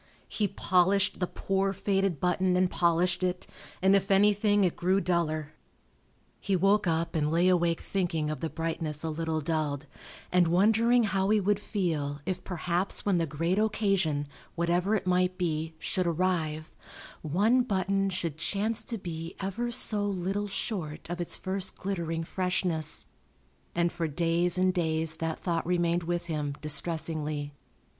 He polished the poor faded button and polished it, and if anything it grew duller. He woke up and lay awake thinking of the brightness a little dulled and wondering how he would feel if perhaps when the great occasion (whatever it might be) should arrive, one button should chance to be ever so little short of its first glittering freshness, and for days and days that thought remained with him, distressingly.